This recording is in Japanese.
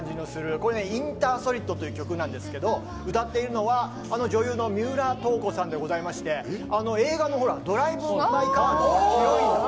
『ｉｎｔｅｒｓｏｌｉｄ』という曲なんですけど、歌っているのはあの女優の三浦透子さんでございまして、映画の、ほら、『ドライブ・マイ・カー』のヒロイン。